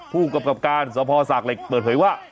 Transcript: ผู้กรรมกรรมการสพศากเหล็กเปิดเผยว่า